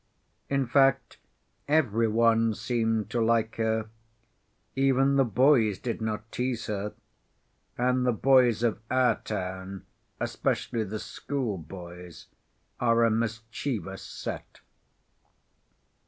In fact, every one seemed to like her; even the boys did not tease her, and the boys of our town, especially the schoolboys, are a mischievous set.